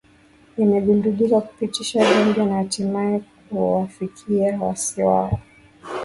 yamegundulika kupitishwa gambia na hatimaye kuwafikia waasi hao